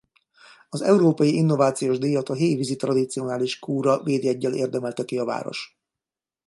Az Európai Innovációs Díjat a Hévízi Tradicionális Kúra védjeggyel érdemelte ki a város.